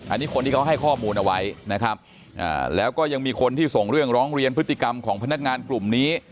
อันนี้คนที่เขาให้ข้อมูลเอาไว้นะครับแล้วก็ยังมีคนที่ส่งเรื่องร้องเรียนพฤติกรรมของพนักงานกลุ่มนี้